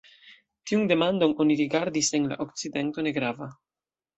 Tiun demandon oni rigardis en la okcidento negrava.